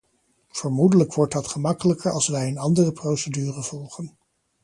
Vermoedelijk wordt dat gemakkelijker als wij een andere procedure volgen.